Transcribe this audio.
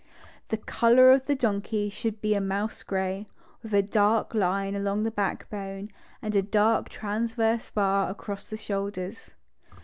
The color of the donkey should be a mouse gray, with a dark line along the back bone, and a dark transverse bar across the Shoulders.